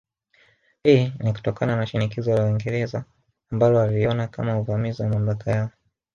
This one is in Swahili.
Hii ni kutokana na shinikizo la Waingereza ambalo waliliona kama uvamizi wa mamlaka yao